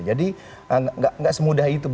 jadi enggak semudah itu